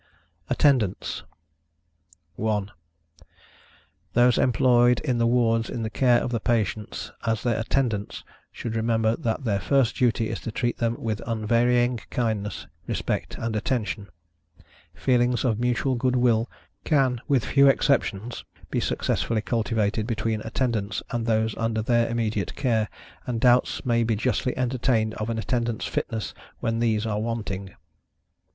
ATTENDANTS. 1. Those employed in the wards in the care of the patients, as their Attendants, should remember that their first duty is to treat them with unvarying kindness, respect and attention. Feelings of mutual good will, can, with few exceptions, be successfully cultivated between Attendants and those under their immediate care, and doubts may be justly entertained of an Attendantâ€™s fitness, when these are wanting.